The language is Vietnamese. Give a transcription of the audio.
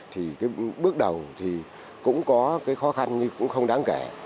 thì bước đầu cũng có khó khăn nhưng cũng không đáng kể